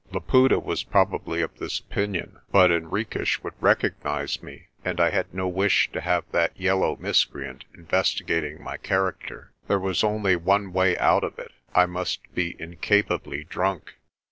Laputa was prob ably of this opinion, but Henriques would recognise me, and I had no wish to have that yellow miscreant investigat ing my character. There was only one way out of it I must be incapably drunk.